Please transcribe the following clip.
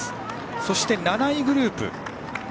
そして７位グループ。